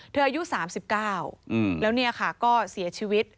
เธออายุ๓๙แล้วเสียชีวิต